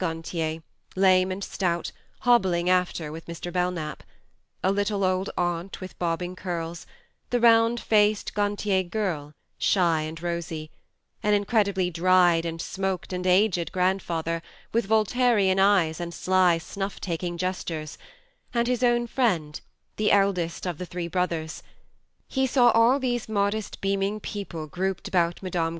Gantier, lame and stout, hobbling after with Mr. Belknap ; a little old aunt with bobbing curls ; the round faced Gantier girl, shy and rosy ; an incredibly dried and smoked and aged grandfather, with Voltairian eyes and sly snuff taking gestures ; and his own friend, the eldest of the three brothers ; he saw all these modest beaming people grouped about Mme.